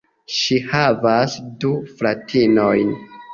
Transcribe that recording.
Ŝi havas du fratinojn.